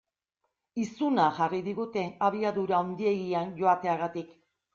Izuna jarri digute abiadura handiegian joateagatik.